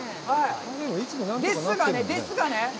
ですがね、ですがね！